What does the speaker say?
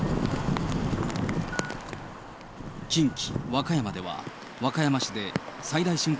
近畿、和歌山では和歌山市で最大瞬間